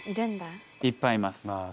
いっぱいいます。